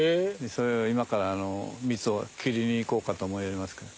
それを今から蜜を切りにいこうかと思いますけど。